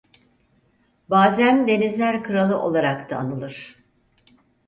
Bazen Denizler Kralı olarak da anılır.